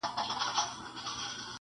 مور لږ هوش ته راځي خو لا هم کمزورې ده,